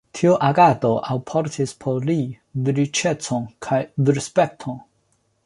Tiu agado alportis por li riĉecon kj respekton.